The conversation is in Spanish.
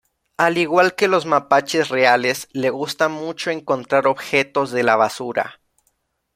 Al igual que los mapaches reales, le gusta mucho encontrar objetos de la basura.